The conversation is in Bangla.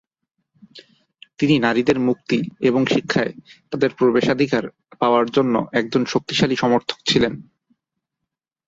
তিনি নারীদের মুক্তি এবং শিক্ষায় তাদের প্রবেশাধিকার পাওয়ার জন্য একজন শক্তিশালী সমর্থক ছিলেন।